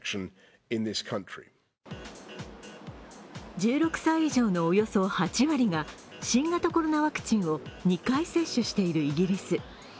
１６歳以上のおよそ８割が新型コロナワクチンを２回接種しているイギリス。